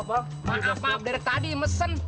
pak maaf pak dari tadi mesen